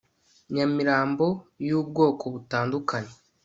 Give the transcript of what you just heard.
Nyamirambo yubwoko butandukanye